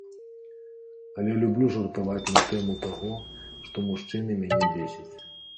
Але люблю жартаваць на тэму таго, што мужчыны мяне бесяць.